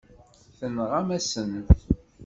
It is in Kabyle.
Tenɣam-asen-t.